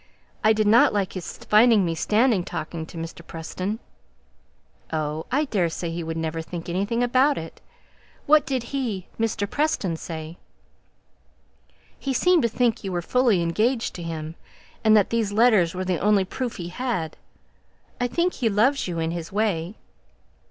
I didn't like his finding me standing talking to Mr. Preston." "Oh! I daresay he'd never think anything about it. What did he Mr. Preston say?" "He seemed to think you were fully engaged to him, and that these letters were the only proof he had. I think he loves you in his way."